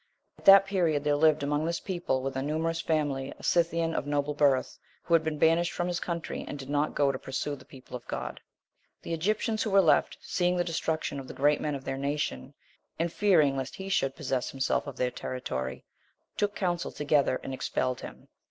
At that period, there lived among this people, with a numerous family, a Scythian of noble birth, who had been banished from his country and did not go to pursue the people of God. The Egyptians who were left, seeing the destruction of the great men of their nation, and fearing lest he should possess himself of their territory, took counsel together, and expelled him.